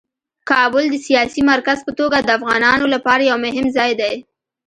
کابل د سیاسي مرکز په توګه د افغانانو لپاره یو مهم ځای دی.